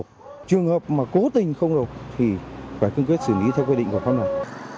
trường hợp mà cố tình không nổ thì phải phương quyết xử lý theo quy định của pháp này